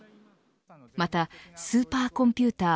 また、スーパーコンピューター